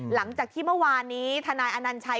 หลังจากที่เมื่อวานนี้ทนายอนัญชัย